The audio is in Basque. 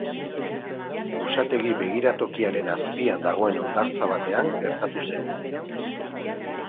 Usategi begiratokiaren azpian dagoen hondartza batean gertatu zen.